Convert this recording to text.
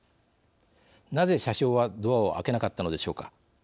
なぜ車掌はドアを開けなかったのでしょうか。